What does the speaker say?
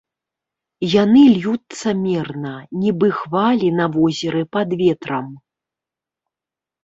Яны льюцца мерна, нібы хвалі на возеры пад ветрам.